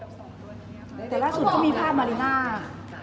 และล่ะสุดข้อมีผ้ามหมาริน่า